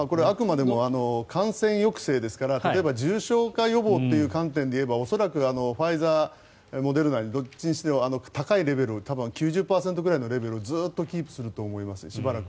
あくまでも感染抑制ですから例えば重症化予防という観点で言えば恐らくファイザー、モデルナどっちにしろ高いレベル９０％くらいのレベルをしばらくはずっとキープすると思います。